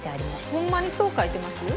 ホンマにそう書いてます？